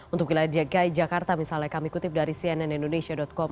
untuk wilayah dki jakarta misalnya kami kutip dari cnnindonesia com